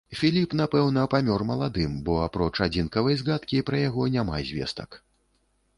Філіп, напэўна, памёр маладым, бо апроч адзінкавай згадкі пра яго няма звестак.